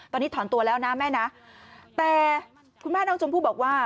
ตอนนี้ถอนตัวแล้วนะแม่นะแต่คุณแม่น้องชมพู่บอกว่า